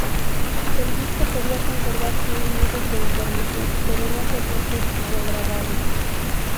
El disco podía conservar cien minutos de información, pero no podía ser regrabado.